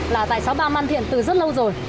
là tại sáu mươi ba man thiện từ rất lâu rồi